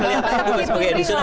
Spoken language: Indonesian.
ngeliatnya bukan sebagai additional